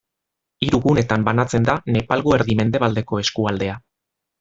Hiru gunetan banatzen da Nepalgo Erdi-mendebaldeko eskualdea.